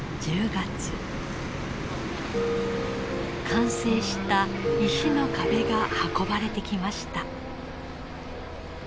完成した石の壁が運ばれてきました。